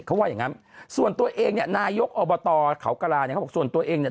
เขาว่าอย่างงั้นส่วนตัวเองเนี่ยนายกอบตเขากระลาเนี่ยเขาบอกส่วนตัวเองเนี่ย